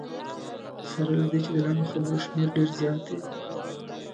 سره له دې چې د لنډو خبرو شمېر ډېر زیات دی.